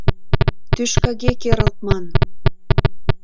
Тӱшкаге керылтман!..